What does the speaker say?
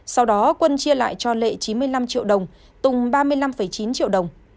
sau đó quân chia lại cho lệ chín mươi năm triệu đồng tùng ba mươi năm chín triệu đồng